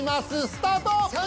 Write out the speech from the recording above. スタート！